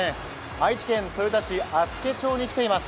愛知県豊田市足助町に来ています。